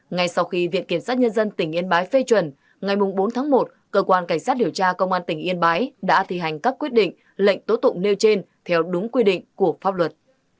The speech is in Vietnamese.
ngay sau khi viện kiểm sát nhân dân tỉnh yên bái phê chuẩn ngày bốn tháng một cơ quan cảnh sát điều tra công an tỉnh yên bái đã thi hành các quyết định lệnh tố tụng nêu trên theo đúng quy định của pháp luật